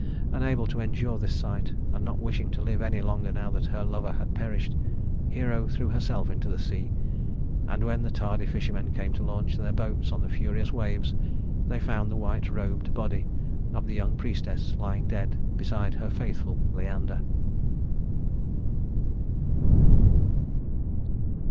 Unable to endure this sight, and not wishing to live any longer now that her lover had perished, Hero threw herself into the sea; and when the tardy fishermen came to launch their boats on the furious waves, they found the white robed body of the young priestess lying dead beside her faithful Leander.